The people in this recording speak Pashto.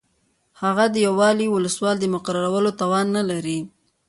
هغه د یو والي او ولسوال د مقررولو توان نه لري.